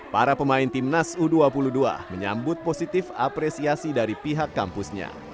para pemain timnas u dua puluh dua menyambut positif apresiasi dari pihak kampusnya